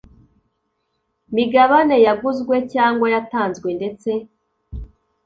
migabane yaguzwe cyangwa yatanzwe ndetse